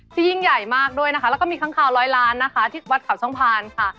ยิ่งใหญ่มากด้วยนะคะแล้วก็มีค้างคาวร้อยล้านนะคะที่วัดเขาช่องพานค่ะ